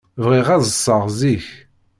Bɣiɣ ad ḍḍseɣ zik.